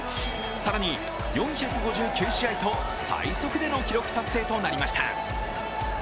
更に、４５９試合と最速での記録達成となりました。